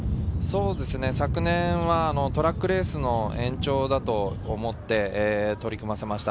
昨年はトラックレースの延長だと思って取り組ませました。